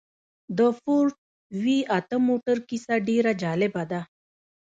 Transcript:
د فورډ وي اته موټر کيسه ډېره جالبه ده.